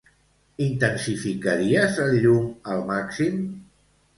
Intensificaries el llum al màxim?